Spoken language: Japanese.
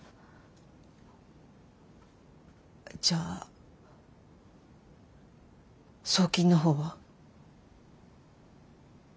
じゃあ送金の方は？